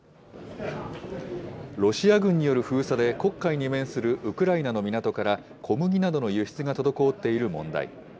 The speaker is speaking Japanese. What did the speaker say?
ロシア軍による封鎖で、黒海に面するウクライナの港から小麦などの輸出が滞っている問題。